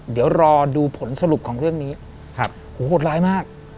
เดี๋ยวรอดูผลสรุปของเรื่องนี้โหดร้ายมาก